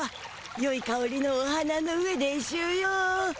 よいかおりのお花の上でしゅよ。